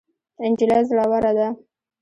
نجلۍ زړوره ده.